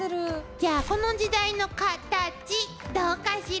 じゃあこの時代のカタチどうかしら？